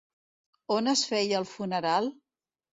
On es feia el funeral?